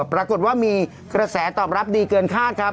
ปรากฏว่ามีกระแสตอบรับดีเกินคาดครับ